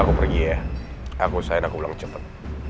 aku pergi ya aku selain aku pulang cepet